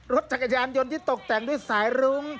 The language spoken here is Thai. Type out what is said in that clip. รถจักรยานยนต์ที่ตกแต่งด้วยสายรุ้ง